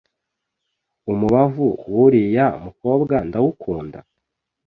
umubavu wuriya mukobwa ndawukunda?